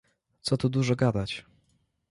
"Co tu dużo gadać."